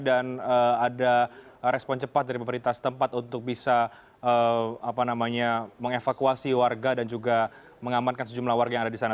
dan ada respon cepat dari pemerintah setempat untuk bisa mengevakuasi warga dan juga mengamankan sejumlah warga yang ada di sana